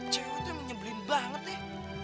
cewek tuh menyebelin banget deh